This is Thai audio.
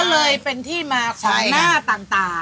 ก็เลยเป็นที่มาของหน้าต่าง